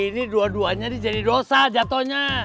ini dua duanya jadi dosa jatohnya